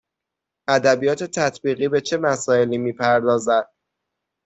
ادبیات تطبیقی به چه مسائلی می پردازد: